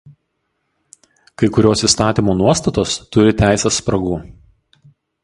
Kai kurios įstatymų nuostatos turi teisės spragų.